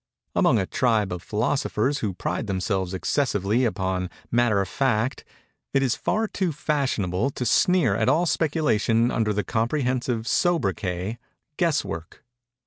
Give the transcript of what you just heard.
Among a tribe of philosophers who pride themselves excessively upon matter of fact, it is far too fashionable to sneer at all speculation under the comprehensive sobriquet, "guess work."